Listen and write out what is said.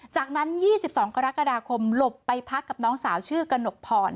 จากนั้นยี่สิบสองกรกฎาคมหลบไปพักกับน้องสาวชื่อกนกพร